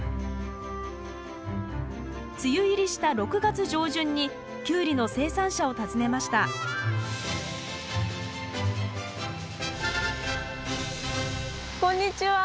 梅雨入りした６月上旬にキュウリの生産者を訪ねましたこんにちは！